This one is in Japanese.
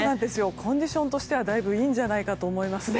コンディションとしてはだいぶいいんじゃないかと思います。